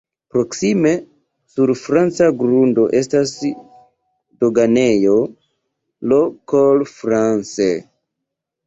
Proksime sur franca grundo estas doganejo "Le Col France".